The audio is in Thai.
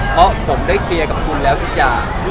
เพราะผมได้เคลียร์กับคุณแล้วทุกอย่าง